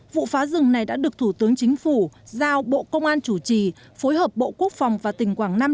vụ phá rừng này đã được thủ tướng chính phủ giao bộ công an chủ trì phối hợp bộ quốc phòng và tỉnh quảng nam